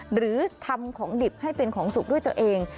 หรือทำของดิบให้เป็นของสุขด้วยตัวเอง